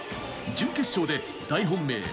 準決勝で大本命